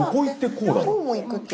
こうも行くって。